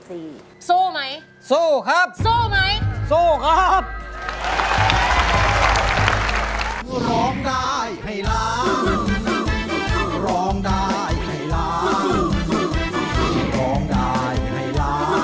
สู้ไหมสู้ครับสู้ไหมสู้ครับ